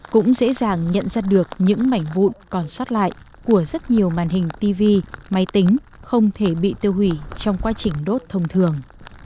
cũng dễ dàng nhận ra được những mảnh vụn còn xót lại của rất nhiều màn hình tv máy tính không thể bị tiêu hủy trong quá trình đốt thông thường